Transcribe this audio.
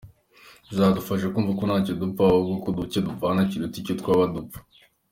Bizadufasha kumva ko ntacyo dupfa, ahubwo ko icyo dupfana kiruta icyo twaba dupfa.